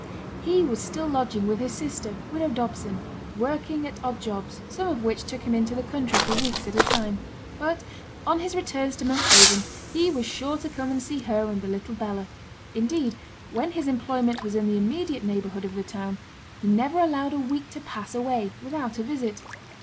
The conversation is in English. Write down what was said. He was still lodging with his sister, widow Dobson, working at odd jobs, some of which took him into the country for weeks at a time. But on his returns to Monkshaven he was sure to come and see her and the little Bella; indeed, when his employment was in the immediate neighbourhood of the town, he never allowed a week to pass away without a visit.